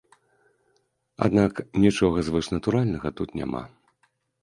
Аднак нічога звышнатуральнага тут няма.